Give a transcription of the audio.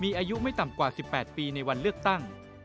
มีอายุไม่ต่ำกว่า๑๘ปีในวันเลือกตั้ง